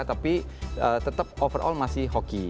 tapi tetap overall masih hoki